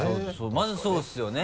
まずそうですよね。